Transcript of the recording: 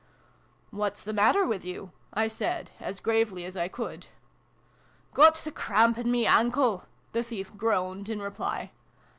" What's the matter with you ?" I said, as gravely as I could. " Got the crahmp in me ahnkle !" the thief groaned in reply.